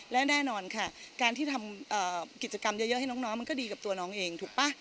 และแน่นอนค่ะการที่ทำกิจกรรมเยอะให้น้องมันก็ดีกับตัวน้องเองถูกป่ะ